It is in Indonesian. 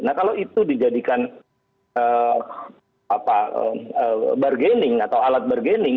nah kalau itu dijadikan bargaining atau alat bargaining